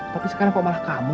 tapi sekarang kok malah kamu